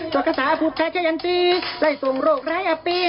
จนกระสาภุกขาชะยันตีไล่ส่งโรคร้ายอัพปี